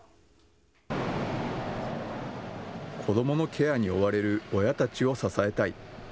子どものケアに追われる親たちを支えたい。